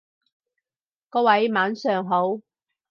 各位晚上好